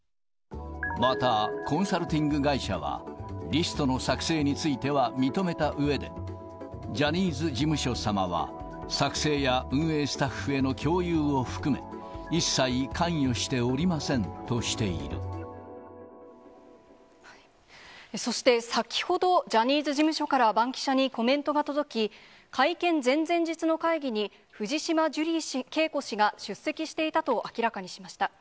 また、コンサルティング会社は、リストの作成については認めたうえで、ジャニーズ事務所様は作成や運営スタッフへの共有を含め、一切関そして、先ほど、ジャニーズ事務所からバンキシャにコメントが届き、会見前々日の会議に、藤島ジュリー景子氏が出席していたと明らかにしました。